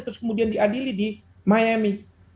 terus kemudian diadili di miyami